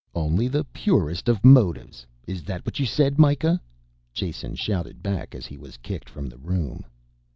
"Only the purest of motives, is that what you said, Mikah?" Jason shouted back as he was kicked from the room.